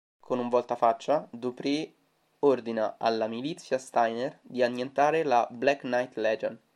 Con un voltafaccia, Dupree ordina alla milizia Steiner di annientare la "Black Knight Legion".